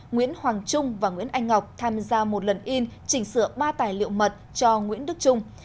nguyễn hoàng trung và nguyễn anh ngọc tham gia một lần in chỉnh sửa ba tài liệu mật cho nguyễn đức trung